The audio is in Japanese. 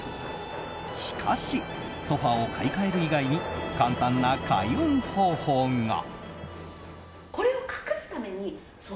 しかし、ソファを買い替える以外に簡単な開運方法が。